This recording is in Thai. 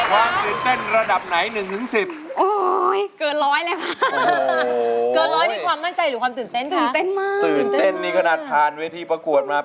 โปรดติดตามโปรดติดตาม